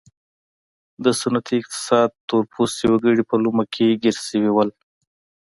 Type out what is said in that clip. د سنتي اقتصاد تور پوستي وګړي په لومه کې ګیر شوي وو.